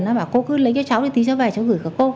nó bảo cô cứ lấy cho cháu đi tí cháu về cháu gửi cho cô